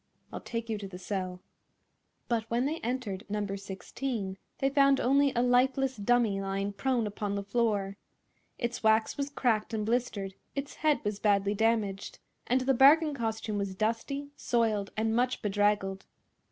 "I'll take you to the cell." But when they entered No. 16 they found only a lifeless dummy lying prone upon the floor. Its wax was cracked and blistered, its head was badly damaged, and the bargain costume was dusty, soiled and much bedraggled.